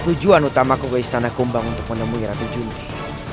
tujuan utama ke istana kumbang untuk menemui ratu junki